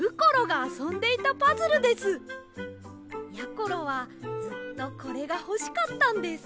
ころはずっとこれがほしかったんです。